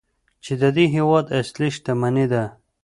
چې د دې هیواد اصلي شتمني ده.